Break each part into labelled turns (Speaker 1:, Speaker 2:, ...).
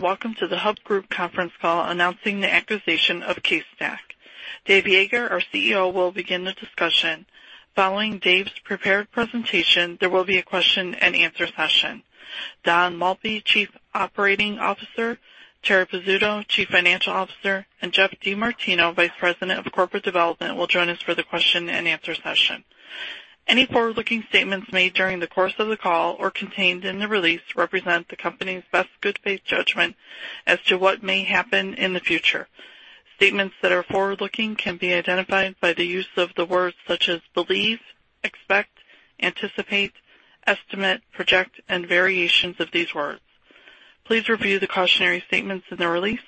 Speaker 1: Welcome to the Hub Group conference call announcing the acquisition of CaseStack. Dave Yeager, our CEO, will begin the discussion. Following Dave's prepared presentation, there will be a question-and-answer session. Donald Maltby, Chief Operating Officer, Terri Pizzuto, Chief Financial Officer, and Geoff DeMartino, Vice President of Corporate Development, will join us for the question-and-answer session. Any forward-looking statements made during the course of the call or contained in the release represent the company's best good faith judgment as to what may happen in the future. Statements that are forward-looking can be identified by the use of the words such as believe, expect, anticipate, estimate, project, and variations of these words. Please review the cautionary statements in the release.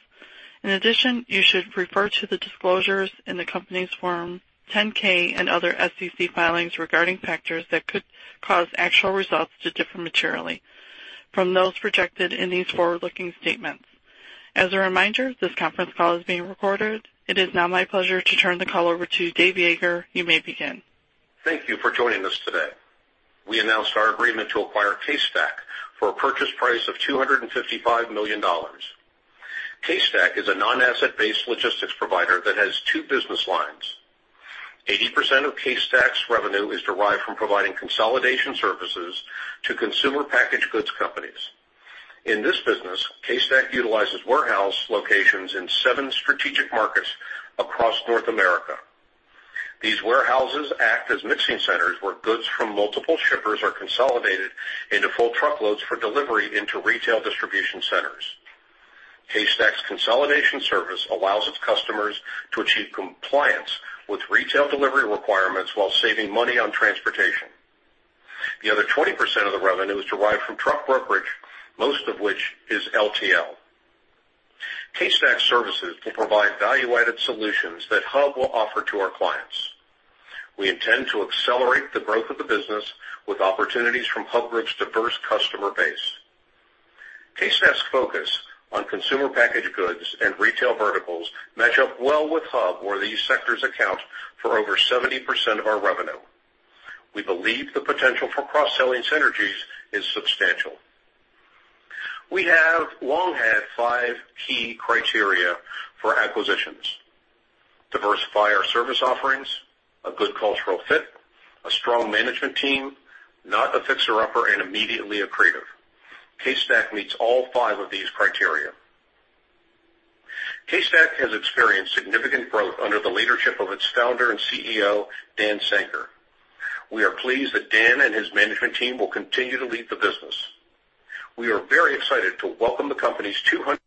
Speaker 1: In addition, you should refer to the disclosures in the company's Form 10-K and other SEC filings regarding factors that could cause actual results to differ materially from those projected in these forward-looking statements. As a reminder, this conference call is being recorded. It is now my pleasure to turn the call over to Dave Yeager. You may begin.
Speaker 2: Thank you for joining us today. We announced our agreement to acquire CaseStack for a purchase price of $255 million. CaseStack is a non-asset-based logistics provider that has two business lines. 80% of CaseStack's revenue is derived from providing consolidation services to consumer packaged goods companies. In this business, CaseStack utilizes warehouse locations in seven strategic markets across North America. These warehouses act as mixing centers, where goods from multiple shippers are consolidated into full truckloads for delivery into retail distribution centers. CaseStack's consolidation service allows its customers to achieve compliance with retail delivery requirements while saving money on transportation. The other 20% of the revenue is derived from truck brokerage, most of which is LTL. CaseStack services will provide value-added solutions that Hub will offer to our clients. We intend to accelerate the growth of the business with opportunities from Hub Group's diverse customer base. CaseStack's focus on consumer packaged goods and retail verticals match up well with Hub, where these sectors account for over 70% of our revenue. We believe the potential for cross-selling synergies is substantial. We have long had five key criteria for acquisitions: diversify our service offerings, a good cultural fit, a strong management team, not a fixer-upper, and immediately accretive. CaseStack meets all five of these criteria. CaseStack has experienced significant growth under the leadership of its founder and CEO, Dan Sanker. We are pleased that Dan and his management team will continue to lead the business. We are very excited to welcome the company's 200-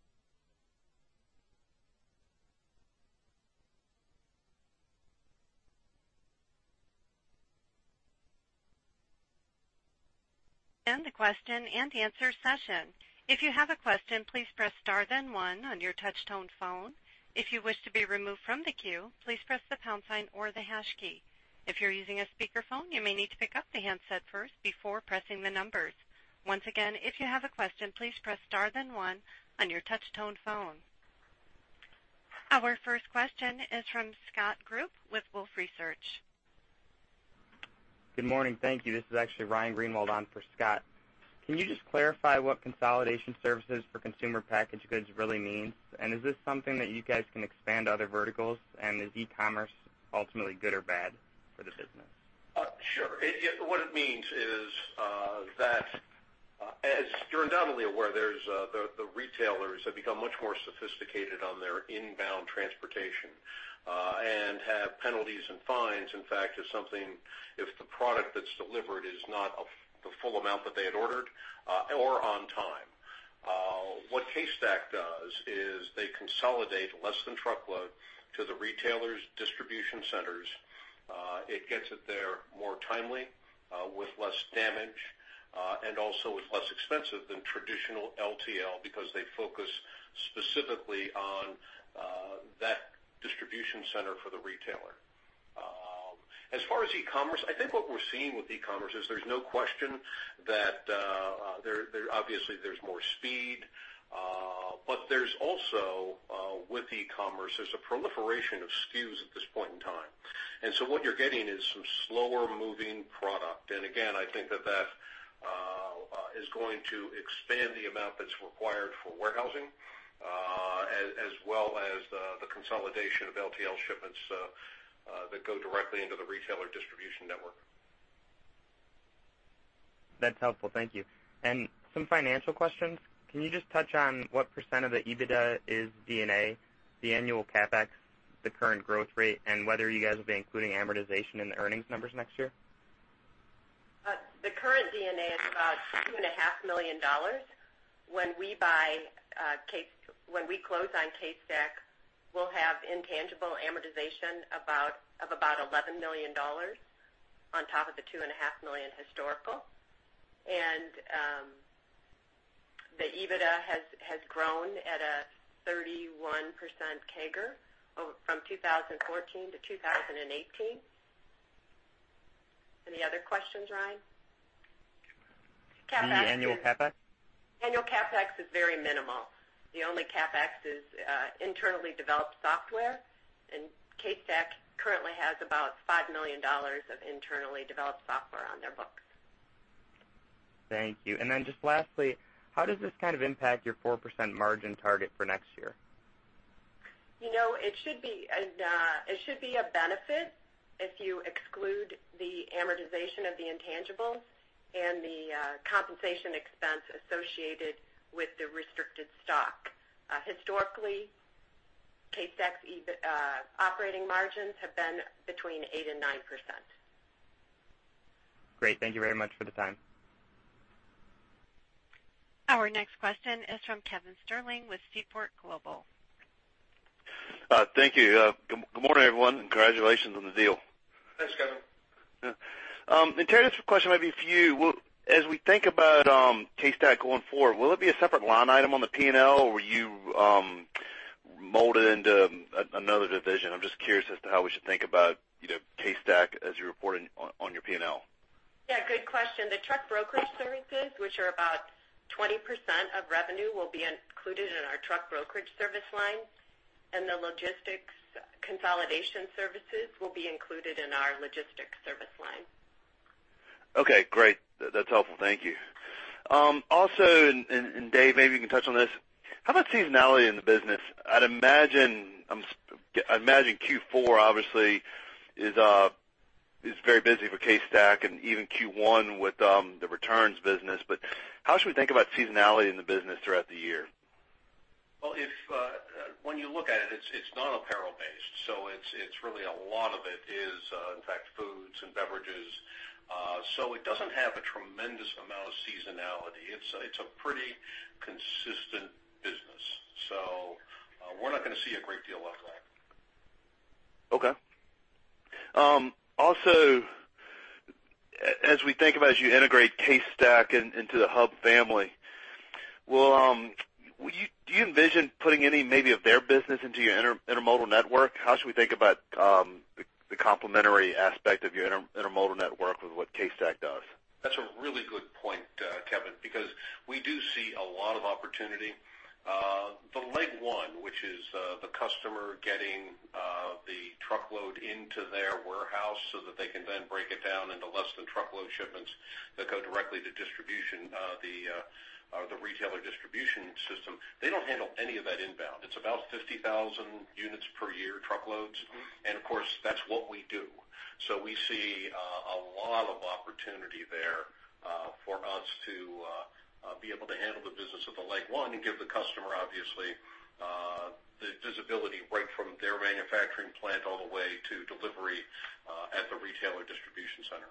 Speaker 3: The question-and-answer session. If you have a question, please press star then one on your touchtone phone. If you wish to be removed from the queue, please press the pound sign or the hash key. If you're using a speakerphone, you may need to pick up the handset first before pressing the numbers. Once again, if you have a question, please press star, then one on your touchtone phone. Our first question is from Scott Group with Wolfe Research.
Speaker 4: Good morning. Thank you. This is actually Ryan Greenwald on for Scott. Can you just clarify what consolidation services for consumer packaged goods really means? And is this something that you guys can expand to other verticals? And is e-commerce ultimately good or bad for the business?
Speaker 2: Sure. What it means is that, as you're undoubtedly aware, there's the retailers have become much more sophisticated on their inbound transportation, and have penalties and fines, in fact, if something, if the product that's delivered is not of the full amount that they had ordered, or on time. What CaseStack does is they consolidate less-than-truckload to the retailer's distribution centers. It gets it there more timely, with less damage, and also is less expensive than traditional LTL because they focus specifically on that distribution center for the retailer. As far as e-commerce, I think what we're seeing with e-commerce is there's no question that there obviously there's more speed, but there's also, with e-commerce, there's a proliferation of SKUs at this point in time. And so what you're getting is some slower-moving product. And again, I think that is going to expand the amount that's required for warehousing, as well as the consolidation of LTL shipments that go directly into the retailer distribution network.
Speaker 4: That's helpful. Thank you. Some financial questions. Can you just touch on what % of the EBITDA is D&A, the annual CapEx, the current growth rate, and whether you guys will be including amortization in the earnings numbers next year?
Speaker 5: The current D&A is about $2.5 million. When we close on CaseStack, we'll have intangible amortization of about $11 million on top of the $2.5 million historical. The EBITDA has grown at a 31% CAGR from 2014 to 2018. Any other questions, Ryan? CapEx-
Speaker 4: The annual CapEx.
Speaker 5: Annual CapEx is very minimal. The only CapEx is internally developed software, and CaseStack currently has about $5 million of internally developed software on their books.
Speaker 4: Thank you. And then just lastly, how does this kind of impact your 4% margin target for next year?
Speaker 5: You know, it should be a benefit if you exclude the amortization of the intangibles and the compensation expense associated with the restricted stock. Historically, CaseStack operating margins have been between 8% and 9%.
Speaker 4: Great. Thank you very much for the time.
Speaker 3: Our next question is from Kevin Sterling with Seaport Global.
Speaker 6: Thank you. Good morning, everyone. Congratulations on the deal.
Speaker 2: Thanks, Kevin.
Speaker 6: Terri, this question might be for you. Well, as we think about CaseStack going forward, will it be a separate line item on the P&L, or will you mold it into another division? I'm just curious as to how we should think about, you know, CaseStack as you're reporting on your P&L.
Speaker 5: Yeah, good question. The truck brokerage services, which are about 20% of revenue, will be included in our truck brokerage service line, and the logistics consolidation services will be included in our logistics service line.
Speaker 6: Okay, great. That's helpful. Thank you. Also, Dave, maybe you can touch on this: How about seasonality in the business? I'd imagine, I imagine Q4 obviously is very busy for CaseStack and even Q1 with the returns business. But how should we think about seasonality in the business throughout the year?
Speaker 2: Well, if when you look at it, it's not apparel-based, so it's really a lot of it is, in fact, foods and beverages. So it doesn't have a tremendous amount of seasonality. It's a pretty consistent business, so we're not going to see a great deal of that.
Speaker 6: Okay. Also, as we think about as you integrate CaseStack into the Hub family, well, you, do you envision putting any maybe of their business into your intermodal network? How should we think about the complementary aspect of your intermodal network with what CaseStack does?
Speaker 2: That's a really good point, Kevin, because we do see a lot of opportunity. The leg one, which is the customer getting the truckload into their warehouse so that they can then break it down into less than truckload shipments that go directly to distribution, the retailer distribution system. They don't handle any of that inbound. It's about 50,000 units per year, truckloads. Of course, that's what we do. We see a lot of opportunity there for us to be able to handle the business of the leg one and give the customer, obviously, the visibility right from their manufacturing plant all the way to delivery at the retailer distribution center.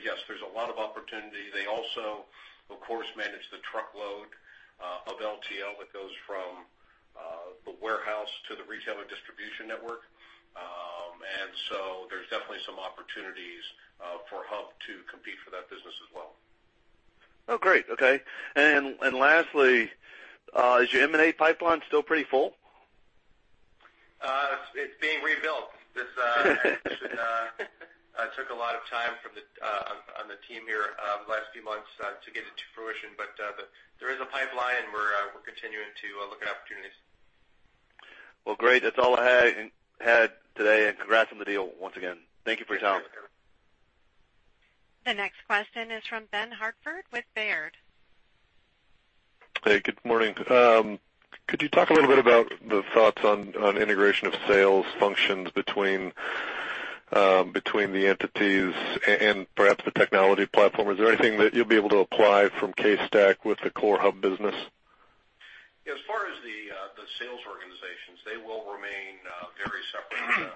Speaker 2: Yes, there's a lot of opportunity. They also, of course, manage the truckload of LTL that goes from the warehouse to the retailer distribution network. And so there's definitely some opportunities for Hub to compete for that business as well.
Speaker 6: Oh, great. Okay. And lastly, is your M&A pipeline still pretty full?
Speaker 2: It's being rebuilt. This took a lot of time from the team here last few months to get it to fruition. But there is a pipeline, and we're continuing to look at opportunities.
Speaker 6: Well, great. That's all I had today, and congrats on the deal once again. Thank you for your time.
Speaker 2: Thanks, Kevin.
Speaker 3: The next question is from Ben Hartford with Baird.
Speaker 7: Hey, good morning. Could you talk a little bit about the thoughts on integration of sales functions between the entities and perhaps the technology platform? Is there anything that you'll be able to apply from CaseStack with the core Hub business?
Speaker 2: As far as the sales organizations, they will remain very separate.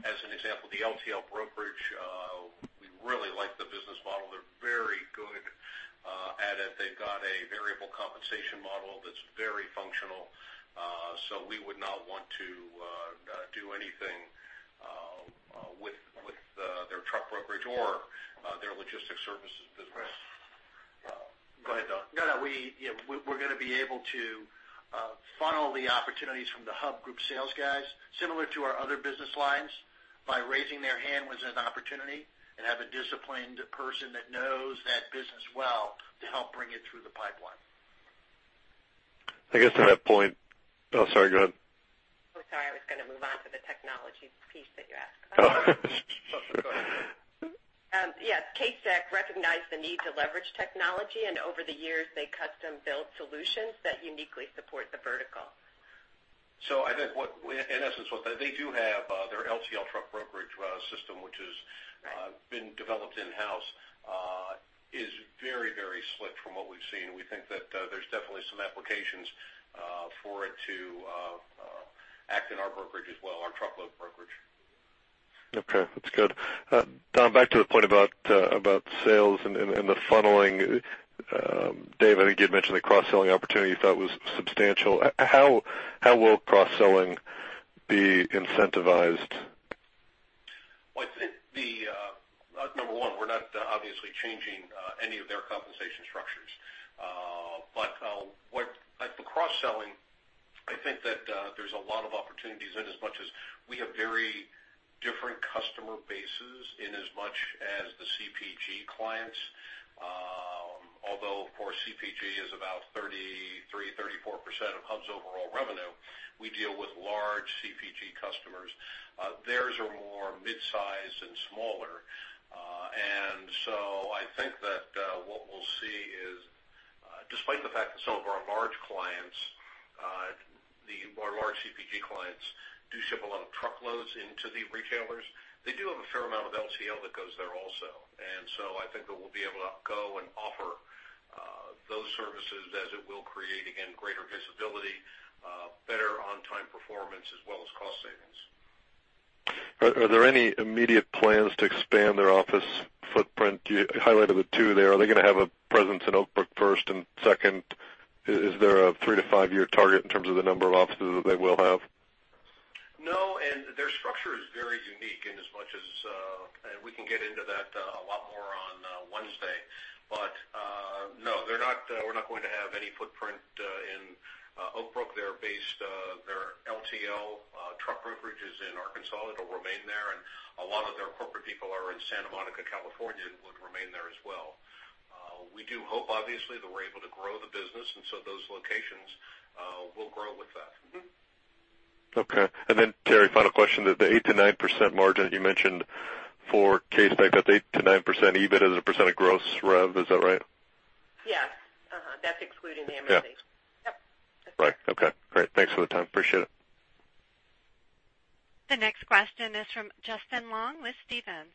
Speaker 2: As an example, the LTL brokerage, we really like the business model. They're very good at it. They've got a variable compensation model that's very functional, so we would not want to do anything with their truck brokerage or their logistics services business. Go ahead, Don.
Speaker 8: No, no, we, yeah, we're going to be able to funnel the opportunities from the Hub Group sales guys, similar to our other business lines, by raising their hand when there's an opportunity and have a disciplined person that knows that business well to help bring it through the pipeline.
Speaker 7: I guess at that point... Oh, sorry, go ahead.
Speaker 5: Oh, sorry. I was going to move on to the technology piece that you asked about.
Speaker 7: Oh.
Speaker 5: Yes, CaseStack recognized the need to leverage technology, and over the years, they custom-built solutions that uniquely support the vertical.
Speaker 2: So I think what, in essence, what they do have, their LTL truck brokerage system, which has been developed in-house, is very, very slick from what we've seen. We think that there's definitely some applications for it to act in our brokerage as well, our truckload brokerage.
Speaker 7: Okay, that's good. Don, back to the point about sales and the funneling, Dave, I think you'd mentioned the cross-selling opportunity you thought was substantial. How will cross-selling be incentivized?
Speaker 2: Well, I think the number one, we're not obviously changing any of their compensation structures. But I think that there's a lot of opportunities in as much as we have very different customer bases in as much as the CPG clients. Although, of course, CPG is about 33%-34% of Hub's overall revenue, we deal with large CPG customers. Theirs are more mid-sized and smaller. And so I think that what we'll see is, despite the fact that some of our large clients, the more large CPG clients do ship a lot of truckloads into the retailers, they do have a fair amount of LTL that goes there also. I think that we'll be able to go and offer those services as it will create, again, greater visibility, better on-time performance, as well as cost savings.
Speaker 7: Are there any immediate plans to expand their office footprint? You highlighted the two there. Are they gonna have a presence in Oak Brook first? And second, is there a 3- to 5-year target in terms of the number of offices that they will have?
Speaker 2: No, and their structure is very unique in as much as, and we can get into that, a lot more on Wednesday. But, no, they're not, we're not going to have any footprint, in Oak Brook. They're based, their LTL truck brokerage is in Arkansas. It'll remain there, and a lot of their corporate people are in Santa Monica, California, and would remain there as well. We do hope, obviously, that we're able to grow the business, and so those locations, will grow with that.
Speaker 7: Okay. And then, Terri, final question, that the 8%-9% margin that you mentioned for CaseStack, that's 8%-9% EBITDA as a % of gross rev, is that right?
Speaker 5: Yes. Uh-huh, that's excluding the amortization. Yeah. Yep. Right. Okay, great. Thanks for the time. Appreciate it.
Speaker 3: The next question is from Justin Long with Stephens.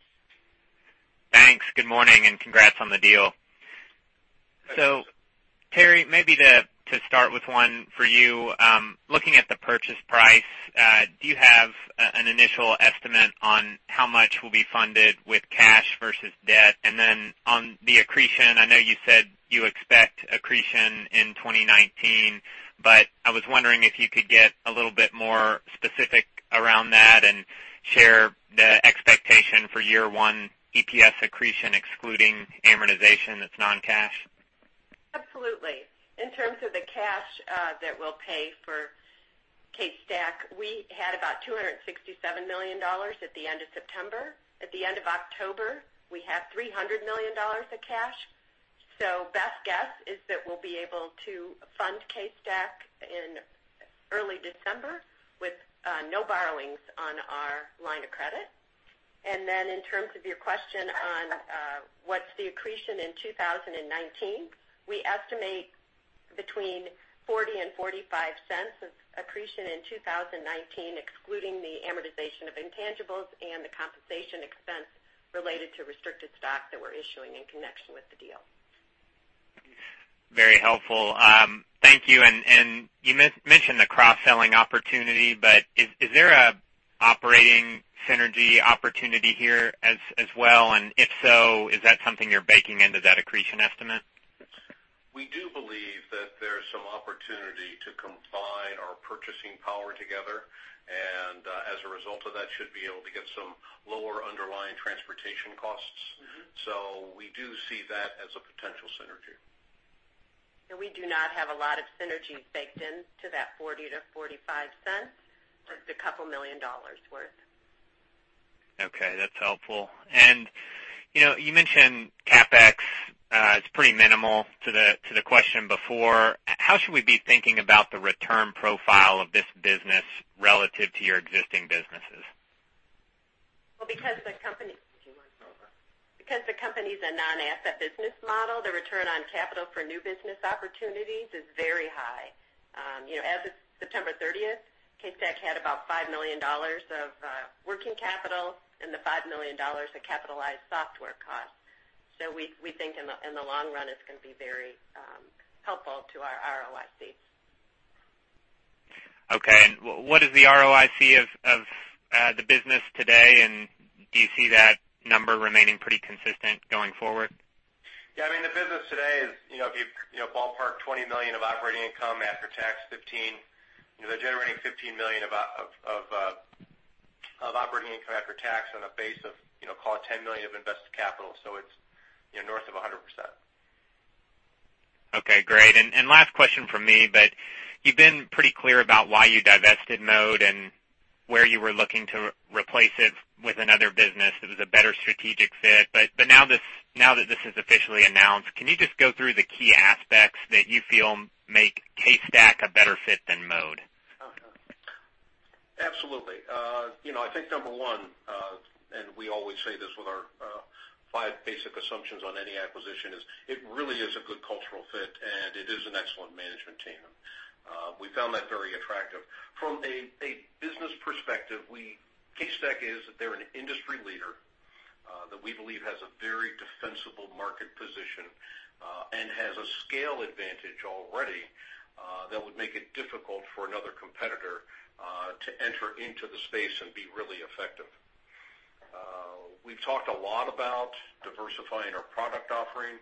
Speaker 9: Thanks. Good morning, and congrats on the deal. So Terri, maybe to start with one for you, looking at the purchase price, do you have an initial estimate on how much will be funded with cash versus debt? And then on the accretion, I know you said you expect accretion in 2019, but I was wondering if you could get a little bit more specific around that and share the expectation for year one EPS accretion, excluding amortization that's non-cash.
Speaker 5: Absolutely. In terms of the cash, that we'll pay for CaseStack, we had about $267 million at the end of September. At the end of October, we had $300 million of cash. So best guess is that we'll be able to fund CaseStack in early December with, no borrowings on our line of credit. And then in terms of your question on, what's the accretion in 2019, we estimate between 40 and 45 cents of accretion in 2019, excluding the amortization of intangibles and the compensation expense related to restricted stock that we're issuing in connection with the deal.
Speaker 9: Very helpful. Thank you. And you mentioned the cross-selling opportunity, but is there an operating synergy opportunity here as well? And if so, is that something you're baking into that accretion estimate?
Speaker 2: We do believe that there's some opportunity to combine our purchasing power together, and, as a result of that, should be able to get some lower underlying transportation costs. We do see that as a potential synergy.
Speaker 5: We do not have a lot of synergies baked into that $0.40-$0.45. Just $2 million worth.
Speaker 9: Okay, that's helpful. And, you know, you mentioned CapEx, it's pretty minimal to the question before. How should we be thinking about the return profile of this business relative to your existing businesses?
Speaker 5: Well, because the company -- did you want to go over? Because the company's a non-asset business model, the return on capital for new business opportunities is very high. You know, as of September 30, CaseStack had about $5 million of working capital and $5 million of capitalized software costs. So we think in the long run, it's gonna be very helpful to our ROIC.
Speaker 9: Okay. And what is the ROIC of the business today, and do you see that number remaining pretty consistent going forward?
Speaker 8: Yeah, I mean, the business today is, you know, if you, you know, ballpark $20 million of operating income after tax $15 million, you know, they're generating $15 million of operating income after tax on a base of, you know, call it $10 million of invested capital. So it's, you know, north of 100%.
Speaker 9: Okay, great. And last question from me, but you've been pretty clear about why you divested Mode and where you were looking to replace it with another business that was a better strategic fit. But now that this is officially announced, can you just go through the key aspects that you feel make CaseStack a better fit than Mode?
Speaker 2: Absolutely. You know, I think number one, and we always say this with our, five basic assumptions on any acquisition, is it really is a good cultural fit, and it is an excellent management team. We found that very attractive. From a business perspective, we—CaseStack is that they're an industry leader, that we believe has a very defensible market position, and has a scale advantage already, that would make it difficult for another competitor, to enter into the space and be really effective. We've talked a lot about diversifying our product offering.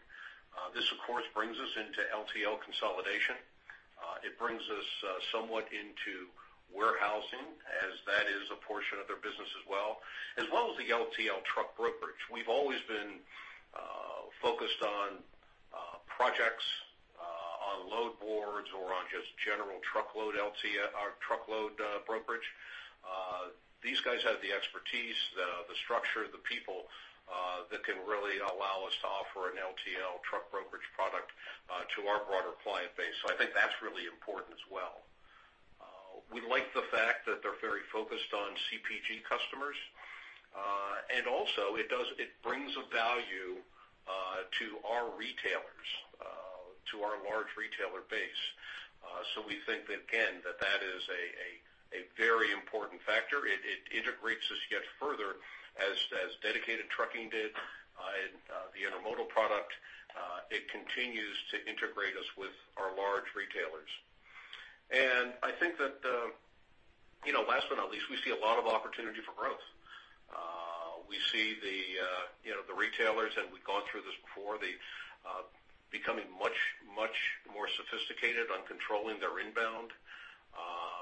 Speaker 2: This, of course, brings us into LTL consolidation. It brings us, somewhat into warehousing, as that is a portion of their business as well, as well as the LTL truck brokerage. We've always been focused on projects on load boards or on just general truckload LTL or truckload brokerage. These guys have the expertise, the structure, the people that can really allow us to offer an LTL truck brokerage product to our broader client base. So I think that's really important as well. We like the fact that they're very focused on CPG customers, and also it brings a value to our retailers, to our large retailer base. So we think that, again, that is a very important factor. It integrates us yet further as dedicated trucking did, and the intermodal product, it continues to integrate us with our large retailers. And I think that, you know, last but not least, we see a lot of opportunity for growth. We see the, you know, the retailers, and we've gone through this before, the becoming much, much more sophisticated on controlling their inbound, and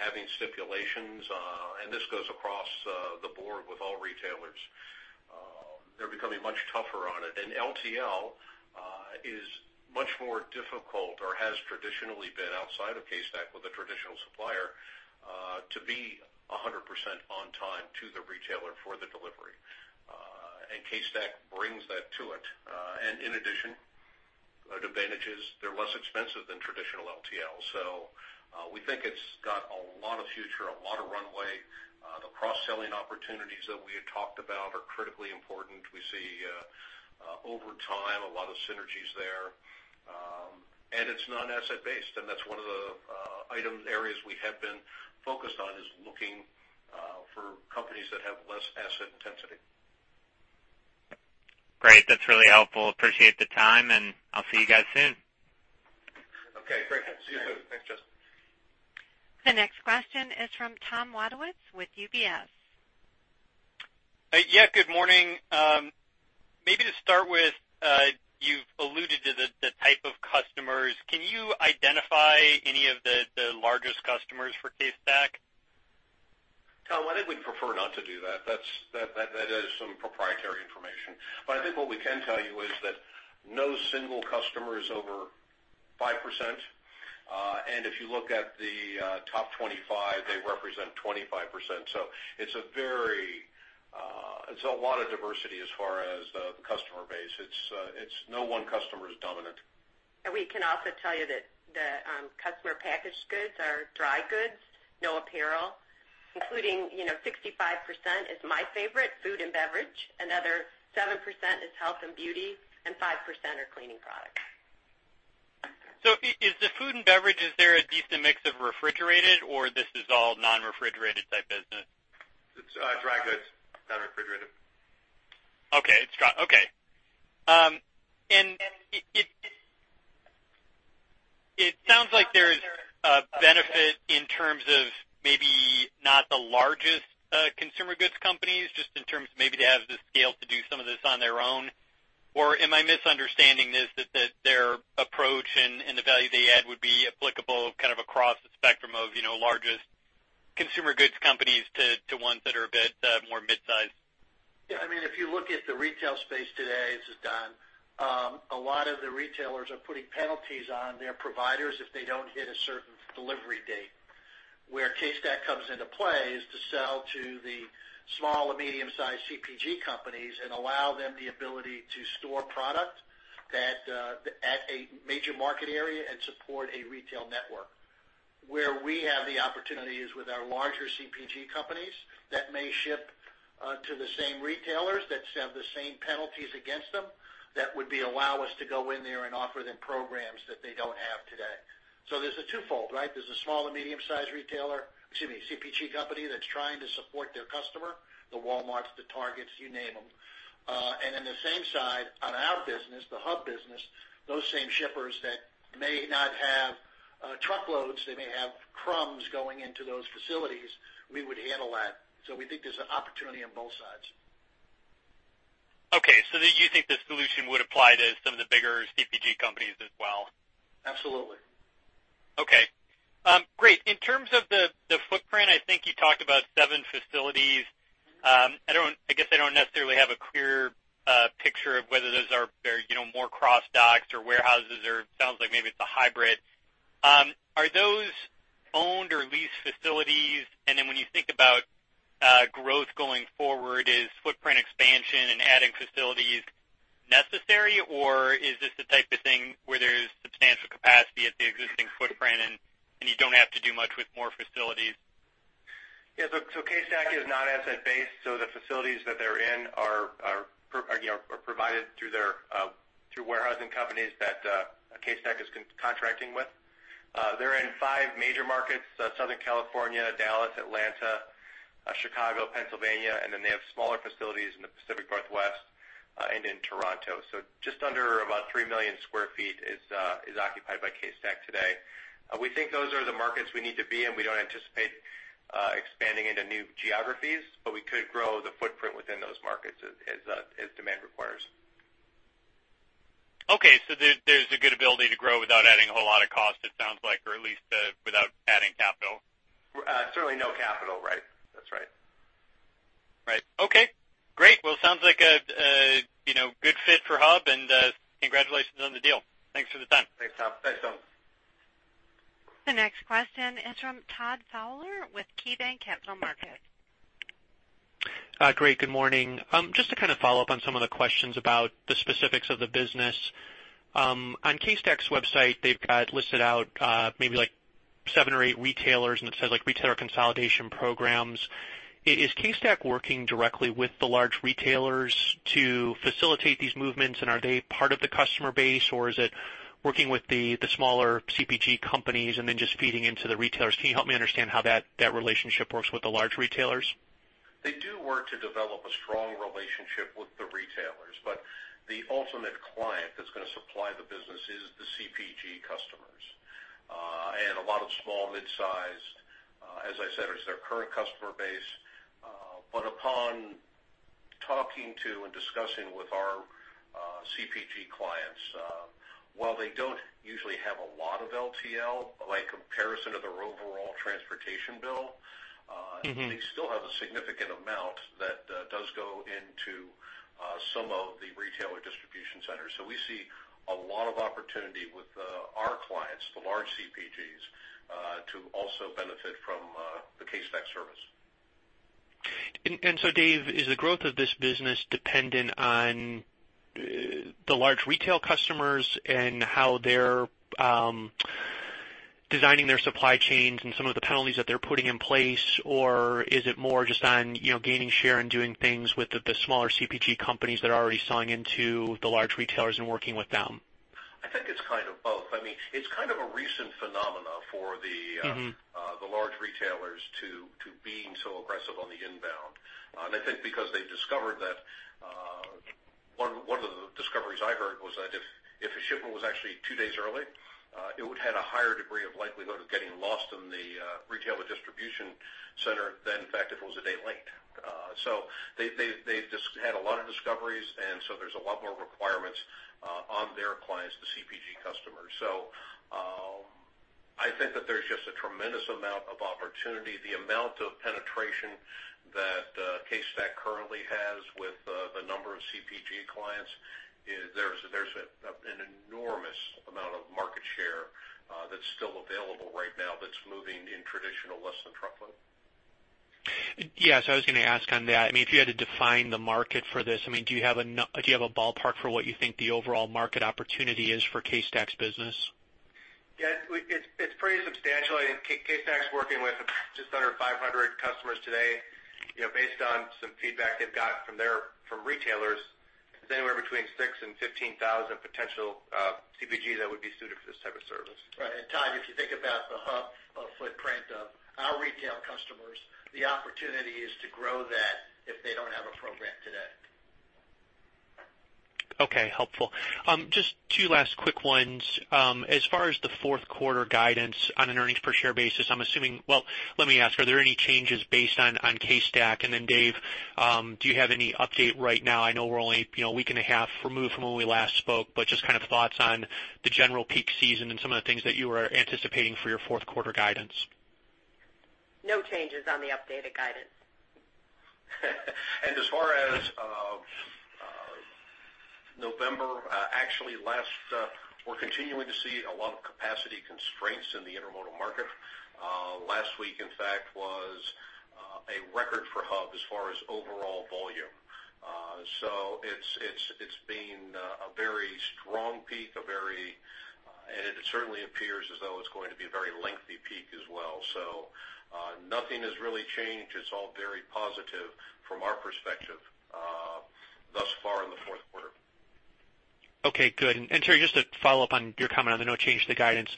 Speaker 2: having stipulations, and this goes across the board with all retailers. They're becoming much tougher on it. And LTL is much more difficult or has traditionally been outside of CaseStack with a traditional supplier to be 100% on time to the retailer for the delivery. And CaseStack brings that to it. And in addition, advantages, they're less expensive than traditional LTL. So, we think it's got a lot of future, a lot of runway. The cross-selling opportunities that we had talked about are critically important. We see over time, a lot of synergies there. And it's non-asset-based, and that's one of the item areas we have been focused on, is looking for companies that have less asset intensity.
Speaker 9: Great, that's really helpful. Appreciate the time, and I'll see you guys soon.
Speaker 2: Okay, great. See you soon. Thanks, Justin.
Speaker 3: The next question is from Tom Wadewitz with UBS.
Speaker 10: Yeah, good morning. Maybe to start with, you've alluded to the, the type of customers. Can you identify any of the, the largest customers for CaseStack?
Speaker 2: Tom, I think we'd prefer not to do that. That's some proprietary information. But I think what we can tell you is that no single customer is over 5%. And if you look at the top 25, they represent 25%. So it's a very, it's a lot of diversity as far as the customer base. It's, it's no one customer is dominant.
Speaker 5: We can also tell you that the consumer packaged goods are dry goods, no apparel, including, you know, 65% is my favorite, food and beverage. Another 7% is health and beauty, and 5% are cleaning products.
Speaker 10: So, in the food and beverage, is there a decent mix of refrigerated or this is all non-refrigerated type business?
Speaker 2: It's dry goods, not refrigerated.
Speaker 10: Okay, it's dry. Okay. And it sounds like there's a benefit in terms of maybe not the largest consumer goods companies, just in terms of maybe they have the scale to do some of this on their own. Or am I misunderstanding this, that their approach and the value they add would be applicable kind of across the spectrum of, you know, largest consumer goods companies to ones that are a bit more mid-sized?
Speaker 8: Yeah, I mean, if you look at the retail space today, this is Don, a lot of the retailers are putting penalties on their providers if they don't hit a certain delivery date. Where CaseStack comes into play is to sell to the small- and medium-sized CPG companies and allow them the ability to store product that at a major market area and support a retail network. Where we have the opportunity is with our larger CPG companies that may ship to the same retailers, that have the same penalties against them, that would allow us to go in there and offer them programs that they don't have today. So there's a twofold, right? There's a small- and medium-sized retailer, excuse me, CPG company that's trying to support their customer, the Walmarts, the Targets, you name them. And then the same side on our business, the Hub business, those same shippers that may not have truckloads, they may have crumbs going into those facilities, we would handle that. So we think there's an opportunity on both sides.
Speaker 10: Okay, so do you think the solution would apply to some of the bigger CPG companies as well?
Speaker 8: Absolutely.
Speaker 10: Okay. Great. In terms of the, the footprint, I think you talked about seven facilities. I don't—I guess I don't necessarily have a clear picture of whether those are, they're, you know, more cross-docks or warehouses, or it sounds like maybe it's a hybrid. Are those owned or leased facilities? And then when you think about growth going forward, is footprint expansion and adding facilities necessary, or is this the type of thing where there's substantial capacity at the existing footprint and you don't have to do much with more facilities?
Speaker 2: Yeah, look, so CaseStack is not asset-based, so the facilities that they're in are, you know, are provided through their, through warehousing companies that CaseStack is contracting with. They're in five major markets, Southern California, Dallas, Atlanta, Chicago, Pennsylvania, and then they have smaller facilities in the Pacific Northwest, and in Toronto. So just under about 3 million sq ft is occupied by CaseStack today. We think those are the markets we need to be in. We don't anticipate expanding into new geographies, but we could grow the footprint within those markets as demand requires.
Speaker 10: Okay, so there, there's a good ability to grow without adding a whole lot of cost, it sounds like, or at least, without adding capital?
Speaker 11: Certainly no capital, right. That's right.
Speaker 10: Right. Okay, great. Well, sounds like a you know, good fit for Hub, and congratulations on the deal. Thanks for the time.
Speaker 11: Thanks, Tom.
Speaker 2: Thanks, Tom.
Speaker 3: The next question is from Todd Fowler with KeyBanc Capital Markets.
Speaker 12: Great, good morning. Just to kind of follow up on some of the questions about the specifics of the business. On CaseStack's website, they've got listed out, maybe like seven or eight retailers, and it says, like, retailer consolidation programs. Is CaseStack working directly with the large retailers to facilitate these movements? And are they part of the customer base, or is it working with the smaller CPG companies and then just feeding into the retailers? Can you help me understand how that relationship works with the large retailers?
Speaker 2: They do work to develop a strong relationship with the retailers, but the ultimate client that's gonna supply the business is the CPG customers. And a lot of small, mid-sized, as I said, is their current customer base. But upon talking to and discussing with our, CPG clients, while they don't usually have a lot of LTL, by comparison to their overall transportation bill-
Speaker 12: Mm-hmm.
Speaker 2: They still have a significant amount that does go into some of the retailer distribution centers. So we see a lot of opportunity with our clients, the large CPGs, to also benefit from the CaseStack service.
Speaker 12: So, Dave, is the growth of this business dependent on the large retail customers and how they're designing their supply chains and some of the penalties that they're putting in place? Or is it more just on, you know, gaining share and doing things with the smaller CPG companies that are already selling into the large retailers and working with them?
Speaker 2: I think it's kind of both. I mean, it's kind of a recent phenomenon for the,
Speaker 12: Mm-hmm...
Speaker 2: the large retailers to being so aggressive on the inbound. And I think because they've discovered that, one of the discoveries I heard was that if a shipment was actually two days early, it would have a higher degree of likelihood of getting lost in the retailer distribution center than in fact if it was a day late. So they've just had a lot of discoveries, and so there's a lot more requirements on their clients, the CPG customers. So I think that there's just a tremendous amount of opportunity. The amount of penetration that CaseStack currently has with the number of CPG clients is there's an enormous amount of market share that's still available right now that's moving in traditional less-than-truckload.
Speaker 10: Yes, I was gonna ask on that. I mean, if you had to define the market for this, I mean, do you have a ballpark for what you think the overall market opportunity is for CaseStack's business?
Speaker 11: Yeah, it's pretty substantial. I think CaseStack's working with just under 500 customers today. You know, based on some feedback they've got from retailers, it's anywhere between 6,000 and 15,000 potential CPG that would be suited for this type of service.
Speaker 2: Right. And Todd, if you think about the Hub footprint of our retail customers, the opportunity is to grow that if they don't have a program today.
Speaker 12: Okay, helpful. Just two last quick ones. As far as the fourth quarter guidance on an earnings per share basis, I'm assuming... Well, let me ask, are there any changes based on, on CaseStack? And then, Dave, do you have any update right now? I know we're only, you know, a week and a half removed from when we last spoke, but just kind of thoughts on the general peak season and some of the things that you are anticipating for your fourth quarter guidance.
Speaker 5: No changes on the updated guidance.
Speaker 2: As far as November, actually, we're continuing to see a lot of capacity constraints in the intermodal market. Last week, in fact, was a record for Hub as far as overall volume. So it's been a very strong peak, a very... It certainly appears as though it's going to be a very lengthy peak as well. So nothing has really changed. It's all very positive from our perspective thus far in the fourth quarter.
Speaker 12: Okay, good. And Terri, just to follow up on your comment on the no change to the guidance.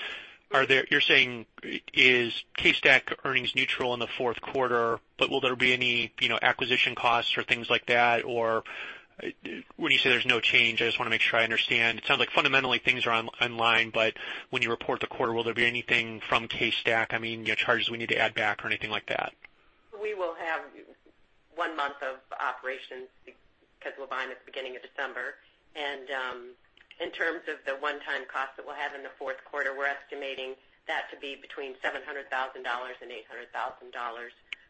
Speaker 12: Are there? You're saying CaseStack is earnings neutral in the fourth quarter, but will there be any, you know, acquisition costs or things like that? Or when you say there's no change, I just want to make sure I understand. It sounds like fundamentally things are on line, but when you report the quarter, will there be anything from CaseStack, I mean, you know, charges we need to add back or anything like that?
Speaker 5: We will have one month of operations because we'll buy them at the beginning of December. In terms of the one-time cost that we'll have in the fourth quarter, we're estimating that to be between $700,000 and $800,000,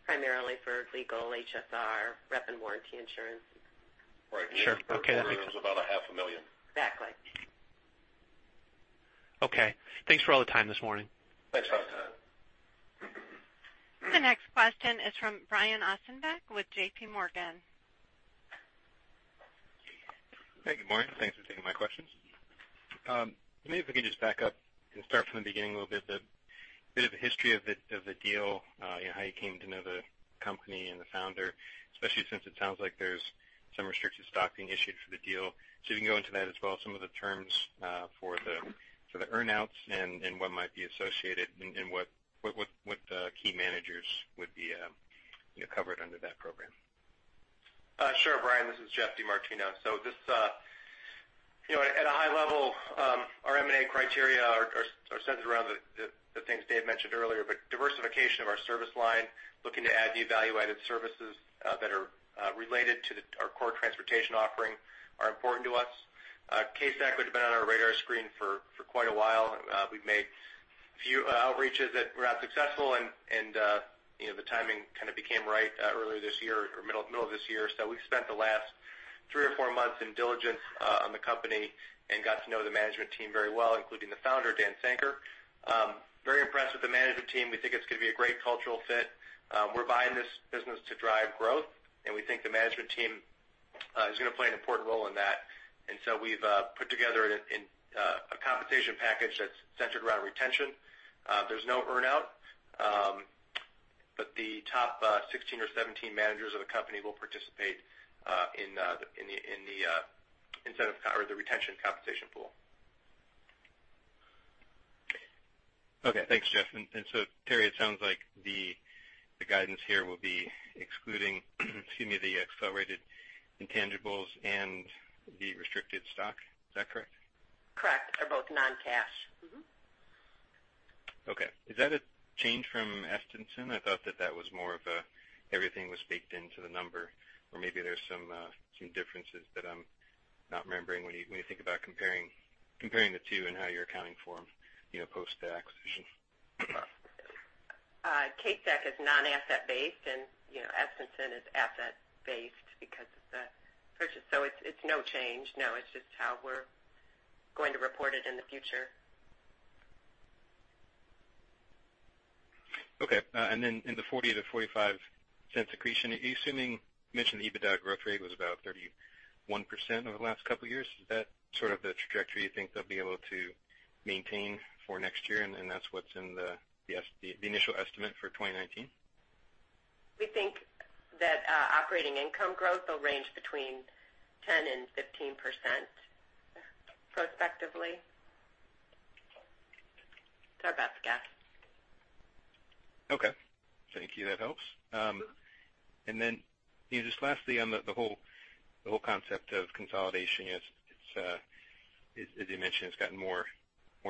Speaker 5: primarily for legal, HSR, rep and warranty insurance.
Speaker 2: Right.
Speaker 12: Sure. Okay.
Speaker 2: Is about $500,000.
Speaker 5: Exactly.
Speaker 12: Okay. Thanks for all the time this morning.
Speaker 2: Thanks, Todd.
Speaker 3: The next question is from Brian Ossenbeck with J.P. Morgan.
Speaker 13: Hey, good morning. Thanks for taking my questions. Maybe if we can just back up and start from the beginning a little bit, the bit of the history of the deal, you know, how you came to know the company and the founder, especially since it sounds like there's some restricted stock being issued for the deal. So you can go into that as well, some of the terms for the earnouts and what might be associated and what key managers would be, you know, covered under that program.
Speaker 11: Sure, Brian. This is Geoff DeMartino. So just, you know, at a high level, our M&A criteria are centered around the things Dave mentioned earlier, but diversification of our service line, looking to add the value-added services that are related- transportation offering are important to us. CaseStack, which has been on our radar screen for quite a while. We've made a few outreaches that were not successful, and you know, the timing kind of became right earlier this year or middle of this year. So we've spent the last three or four months in diligence on the company and got to know the management team very well, including the founder, Dan Sanker. Very impressed with the management team. We think it's going to be a great cultural fit. We're buying this business to drive growth, and we think the management team is going to play an important role in that. And so we've put together a compensation package that's centered around retention. There's no earn-out, but the top 16 or 17 managers of the company will participate in the incentive or the retention compensation pool.
Speaker 13: Okay, thanks, Geoff. And so, Terri, it sounds like the guidance here will be excluding, excuse me, the accelerated intangibles and the restricted stock. Is that correct?
Speaker 5: Correct. They're both non-cash. Mm-hmm.
Speaker 13: Okay. Is that a change from Estenson? I thought that that was more of a everything was baked into the number, or maybe there's some some differences that I'm not remembering when you, when you think about comparing, comparing the two and how you're accounting for them, you know, post the acquisition.
Speaker 5: CaseStack is non-asset-based, and, you know, Estenson is asset-based because of the purchase. So it's no change. No, it's just how we're going to report it in the future.
Speaker 13: Okay, and then in the $0.40-$0.45 accretion, are you assuming you mentioned the EBITDA growth rate was about 31% over the last couple of years. Is that sort of the trajectory you think they'll be able to maintain for next year, and that's what's in the initial estimate for 2019?
Speaker 5: We think that, operating income growth will range between 10% and 15% prospectively. That's our best guess.
Speaker 13: Okay. Thank you. That helps. And then, you know, just lastly, on the whole concept of consolidation, it's, as you mentioned, it's gotten more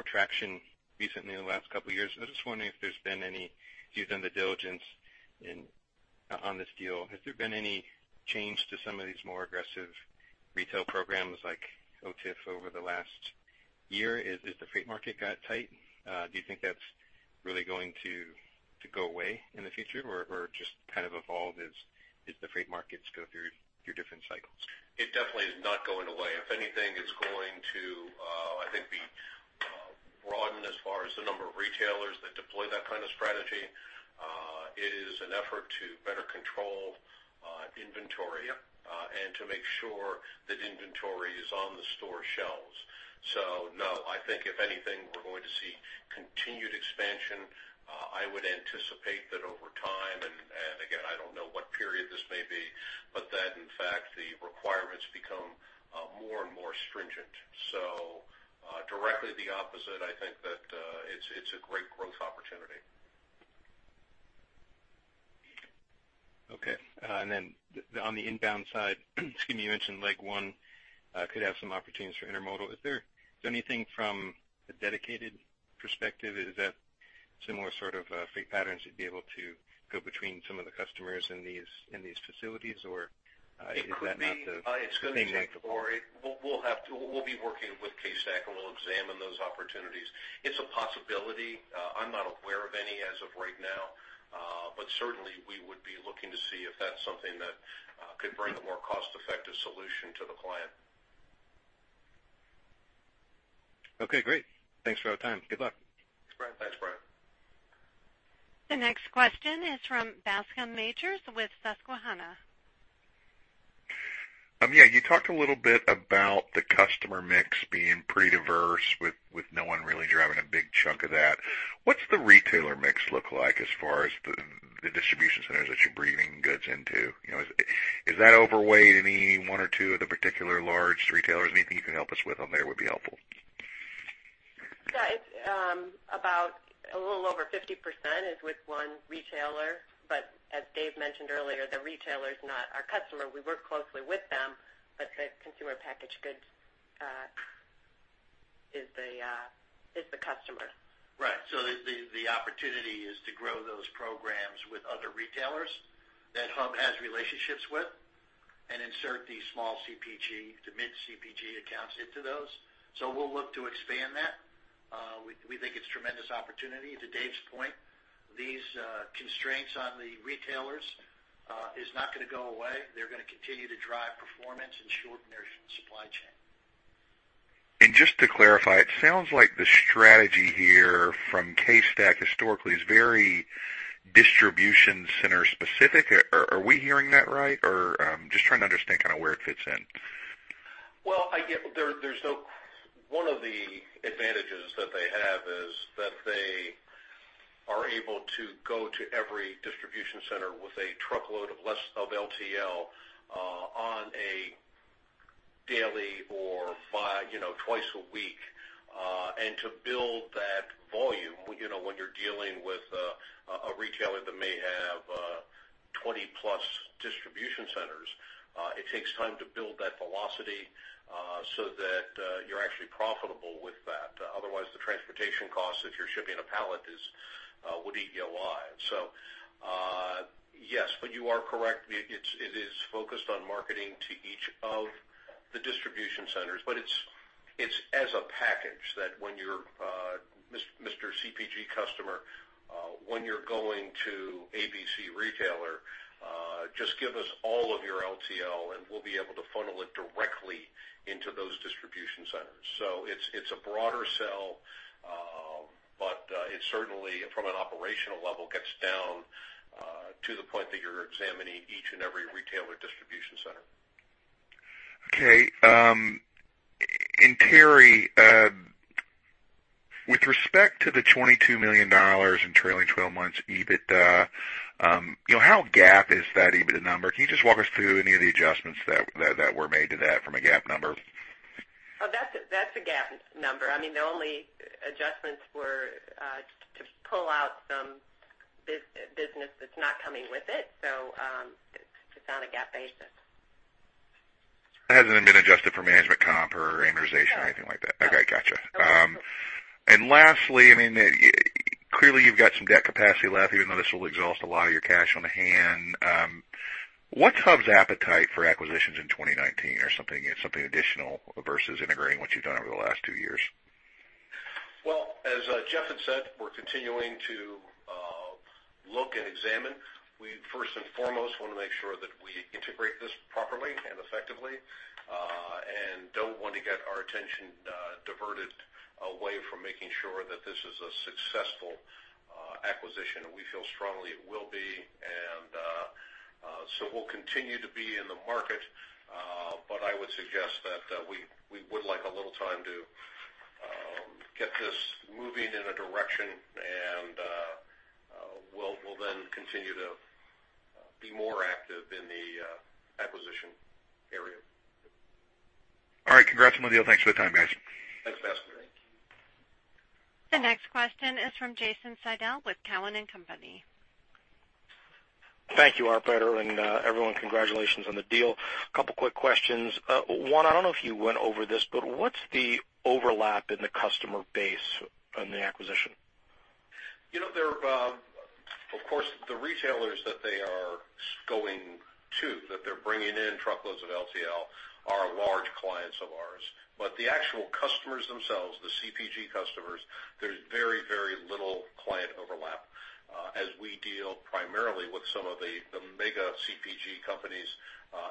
Speaker 13: traction recently in the last couple of years. I was just wondering if there's been any... You've done the diligence in on this deal. Has there been any change to some of these more aggressive retail programs like OTIF over the last year? Has the freight market got tight? Do you think that's really going to go away in the future or just kind of evolve as the freight markets go through different cycles?
Speaker 2: It definitely is not going away. If anything, it's going to, I think, be broadened as far as the number of retailers that deploy that kind of strategy. It is an effort to better control inventory, and to make sure that inventory is on the store shelves. So no, I think if anything, we're going to see continued expansion. I would anticipate that over time, and again, I don't know what period this may be, but that, in fact, the requirements become more and more stringent. So, directly the opposite, I think that it's a great growth opportunity.
Speaker 13: Okay. And then on the inbound side, excuse me, you mentioned leg one, could have some opportunities for intermodal. Is there anything from a dedicated perspective, is that similar sort of freight patterns you'd be able to go between some of the customers in these, in these facilities, or is that not the same network?
Speaker 2: It could be. It's going to take more... We'll be working with CaseStack, and we'll examine those opportunities. It's a possibility. I'm not aware of any as of right now, but certainly, we would be looking to see if that's something that could bring a more cost-effective solution to the client.
Speaker 13: Okay, great. Thanks for our time. Good luck.
Speaker 2: Thanks, Brian.
Speaker 3: The next question is from Bascome Majors with Susquehanna.
Speaker 14: Yeah, you talked a little bit about the customer mix being pretty diverse with no one really driving a big chunk of that. What's the retailer mix look like as far as the distribution centers that you're bringing goods into? You know, is that overweight any one or two of the particular large retailers? Anything you can help us with on there would be helpful.
Speaker 5: Yeah, it's about a little over 50% is with one retailer, but as Dave mentioned earlier, the retailer is not our customer. We work closely with them, but the consumer packaged goods is the customer.
Speaker 8: Right. So the opportunity is to grow those programs with other retailers that HUB has relationships with and insert the small CPG, the mid-CPG accounts into those. So we'll look to expand that. We think it's tremendous opportunity. To Dave's point, these constraints on the retailers is not going to go away. They're going to continue to drive performance and shorten their supply chain.
Speaker 14: Just to clarify, it sounds like the strategy here from CaseStack historically is very distribution center specific. Are we hearing that right, or just trying to understand kind of where it fits in?
Speaker 2: Well, one of the advantages that they have is that they are able to go to every distribution center with a truckload of LTL on a daily or, you know, twice a week. And to build that volume, you know, when you're dealing with a retailer that may have 20+ distribution centers, it takes time to build that velocity, so that you're actually profitable with that. Otherwise, the transportation costs, if you're shipping a pallet, is would eat you alive. So, yes, but you are correct. It is focused on marketing to each of the distribution centers, but it's as a package that when you're Mr., Mr. CPG customer, when you're going to ABC retailer, just give us all of your LTL, and we'll be able to funnel it directly into those distribution centers. So it's, it's a broader sell, but, it certainly, from an operational level, gets down, to the point that you're examining each and every retailer distribution center.
Speaker 14: Okay, and Terri, with respect to the $22 million in trailing twelve months EBITDA, you know, how GAAP is that EBITDA number? Can you just walk us through any of the adjustments that were made to that from a GAAP number?
Speaker 5: Oh, that's a, that's a GAAP number. I mean, the only adjustments were to pull out some business that's not coming with it, so, it's on a GAAP basis.
Speaker 14: It hasn't been adjusted for management comp or amortization or anything like that?
Speaker 5: No.
Speaker 14: Okay, gotcha. And lastly, I mean, clearly, you've got some debt capacity left, even though this will exhaust a lot of your cash on hand. What's Hub's appetite for acquisitions in 2019 or something, something additional versus integrating what you've done over the last two years?
Speaker 2: Well, as Geoff had said, we're continuing to look and examine. We, first and foremost, want to make sure that we integrate this properly and effectively, and don't want to get our attention diverted away from making sure that this is a successful acquisition. And we feel strongly it will be, and so we'll continue to be in the market, but I would suggest that we would like a little time to get this moving in a direction, and we'll then continue to be more active in the acquisition area.
Speaker 14: All right. Congrats on the deal. Thanks for the time, guys.
Speaker 2: Thanks, Bascome.
Speaker 3: The next question is from Jason Seidl with Cowen and Company.
Speaker 15: Thank you, operator, and, everyone, congratulations on the deal. A couple quick questions. One, I don't know if you went over this, but what's the overlap in the customer base on the acquisition?
Speaker 2: You know, of course, the retailers that they are going to, that they're bringing in truckloads of LTL, are large clients of ours, but the actual customers themselves, the CPG customers, there's very, very little client overlap, as we deal primarily with some of the mega CPG companies,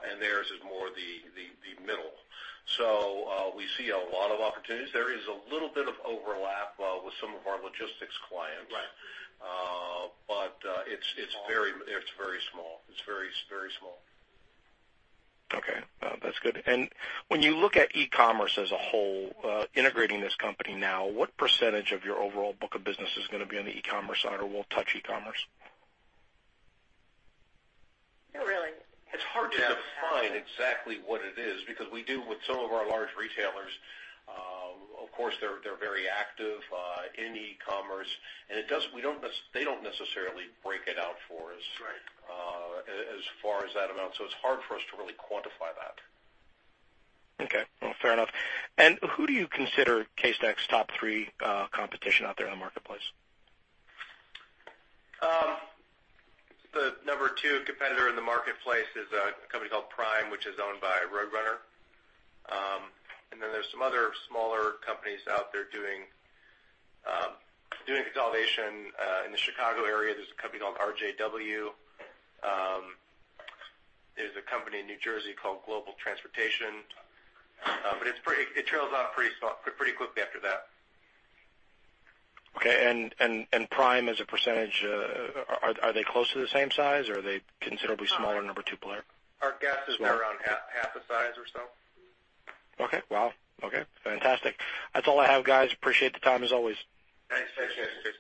Speaker 2: and theirs is more the middle. So, we see a lot of opportunities. There is a little bit of overlap with some of our logistics clients.
Speaker 15: Right.
Speaker 2: But it's very, it's very small. It's very, very small.
Speaker 15: Okay, that's good. And when you look at e-commerce as a whole, integrating this company now, what percentage of your overall book of business is going to be on the e-commerce side or will touch e-commerce?
Speaker 5: Not really.
Speaker 2: It's hard to define exactly what it is, because we do with some of our large retailers, of course, they're very active in e-commerce, and they don't necessarily break it out for us-
Speaker 15: Right...
Speaker 2: as far as that amount, so it's hard for us to really quantify that.
Speaker 15: Okay, fair enough. Who do you consider CaseStack top three competition out there in the marketplace?
Speaker 11: The number two competitor in the marketplace is a company called Prime, which is owned by Roadrunner. Then there's some other smaller companies out there doing consolidation. In the Chicago area, there's a company called RJW. There's a company in New Jersey called Global Transportation, but it's pretty small, pretty quickly after that.
Speaker 15: Okay, Prime as a percentage, are they close to the same size, or are they considerably smaller, number two player?
Speaker 11: Our guess is they're around half, half the size or so.
Speaker 15: Okay. Wow. Okay, fantastic. That's all I have, guys. Appreciate the time, as always.
Speaker 2: Thanks.
Speaker 11: Thanks, Jason.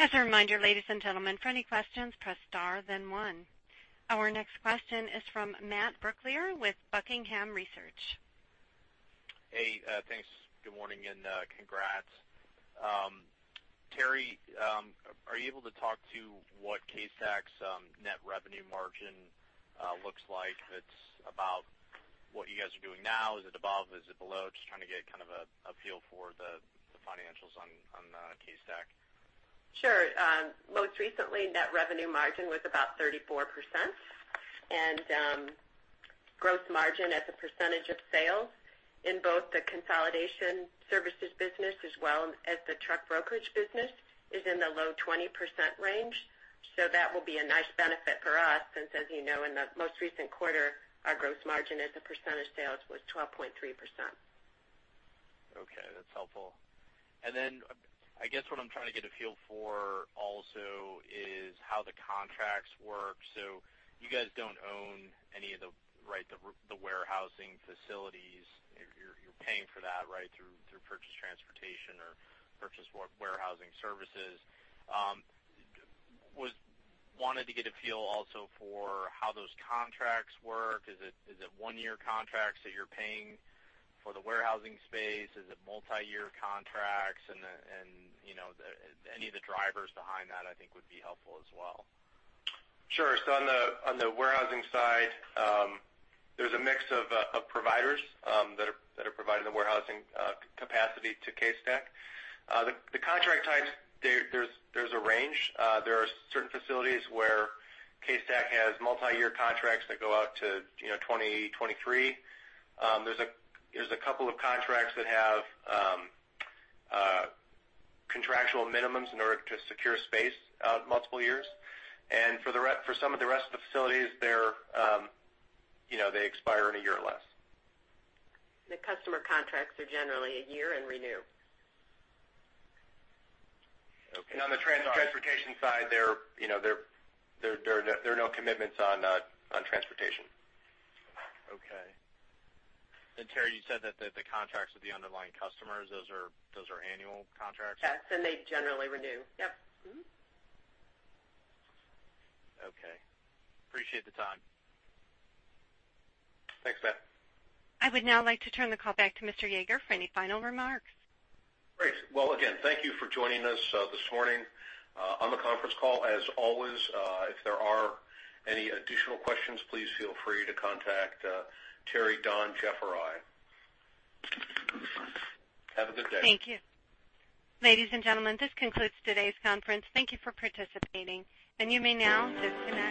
Speaker 3: As a reminder, ladies and gentlemen, for any questions, press star, then one. Our next question is from Matt Brooklier with Buckingham Research.
Speaker 16: Hey, thanks. Good morning and congrats. Terri, are you able to talk to what CaseStack net revenue margin looks like that's about what you guys are doing now? Is it above? Is it below? Just trying to get kind of a feel for the financials on CaseStack.
Speaker 5: Sure. Most recently, net revenue margin was about 34%, and, growth margin as a percentage of sales in both the consolidation services business, as well as the truck brokerage business, is in the low 20% range. So that will be a nice benefit for us, since, as you know, in the most recent quarter, our gross margin as a percentage of sales was 12.3%.
Speaker 16: Okay, that's helpful. And then I guess what I'm trying to get a feel for also is how the contracts work. So you guys don't own any of the, right, the warehousing facilities. You're paying for that, right, through purchase transportation or purchase warehousing services. Wanted to get a feel also for how those contracts work. Is it one-year contracts that you're paying for the warehousing space? Is it multiyear contracts? And you know, the any of the drivers behind that, I think, would be helpful as well.
Speaker 11: Sure. So on the warehousing side, there's a mix of providers that are providing the warehousing capacity to CaseStack. The contract types, there's a range. There are certain facilities where CaseStack has multiyear contracts that go out to, you know, 2023. There's a couple of contracts that have contractual minimums in order to secure space, multiple years. And for the rest—for some of the rest of the facilities, they're, you know, they expire in a year or less.
Speaker 5: The customer contracts are generally a year and renew.
Speaker 16: Okay.
Speaker 11: On the transportation side, there, you know, there are no commitments on transportation.
Speaker 13: Okay. Terri, you said that the contracts with the underlying customers, those are annual contracts?
Speaker 5: Yes, and they generally renew. Yep. Mm-hmm.
Speaker 16: Okay. Appreciate the time.
Speaker 2: Thanks, Matt.
Speaker 3: I would now like to turn the call back to Mr. Yeager for any final remarks.
Speaker 2: Great. Well, again, thank you for joining us this morning on the conference call. As always, if there are any additional questions, please feel free to contact Terri, Don, Geoff, or I. Have a good day.
Speaker 3: Thank you. Ladies and gentlemen, this concludes today's conference. Thank you for participating, and you may now disconnect.